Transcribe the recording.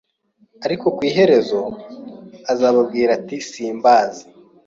ariko ku iherezo azababwira ati Simbazi